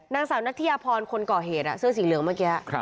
นางสาวนัทยาพรคนก่อเหตุเสื้อสีเหลืองเมื่อกี้